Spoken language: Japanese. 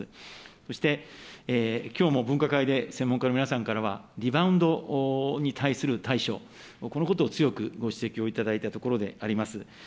そして、きょうも分科会で専門家の皆さんからは、リバウンドに対する対処、このことを強くご指摘を頂いたところであります。